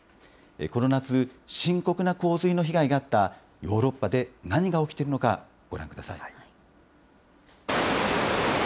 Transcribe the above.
この夏、深刻な洪水の被害があったヨーロッパで何が起きているのか、ご覧ください。